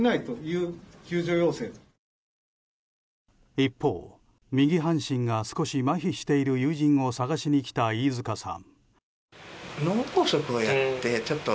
一方、右半身が少しまひしている友人を捜しに来た飯塚さん。